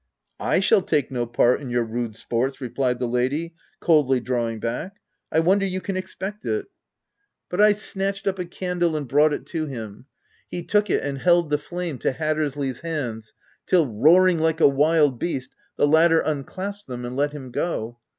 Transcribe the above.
" /shall take no part in your rude sports !" replied the lady, coldly drawing back, " I won der you can expect it." OF WILDFELL HALL. 235 But I snatched up a candle and brought it to him. He took it and held the flame to Hat tersley's hands till, roaring like a wild beast, the latter unclasped them and let him go.